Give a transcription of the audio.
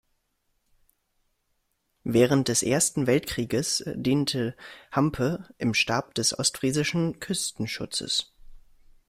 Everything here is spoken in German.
Während des Ersten Weltkrieges diente Hampe im Stab des ostfriesischen Küstenschutzes.